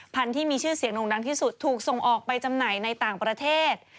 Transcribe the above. ที่มีชื่อเสียงด่งดังที่สุดถูกส่งออกไปจำหน่ายในต่างประเทศ